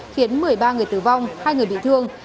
khiến một mươi ba người tử vong hai người bị thương